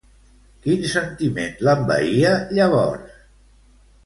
Quin sentiment l'envaïa llavors?